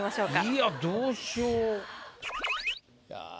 いやどうしよう？